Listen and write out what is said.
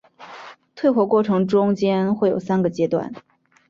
退火过程中间会有三个阶段。